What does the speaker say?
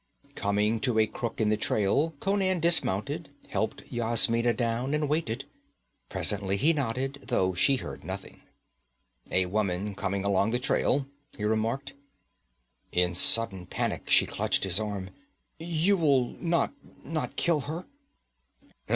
Coming to a crook in the trail, Conan dismounted, helped Yasmina down and waited. Presently he nodded, though she heard nothing. 'A woman coming along the trail,' he remarked. In sudden panic she clutched his arm. 'You will not not kill her?'